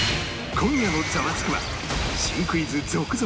今夜の『ザワつく！』は新クイズ続々！